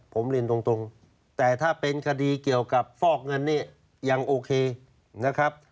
ผมเรียนตรงแต่ถ้าเป็นคดีเกี่ยวกับฟอกเงินนี่ยังโอเคนะครับ